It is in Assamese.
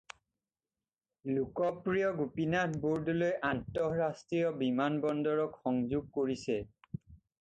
লোকপ্ৰিয় গোপীনাথ বৰদলৈ আন্তঃৰাষ্ট্ৰীয় বিমান বন্দৰক সংযোগ কৰিছে।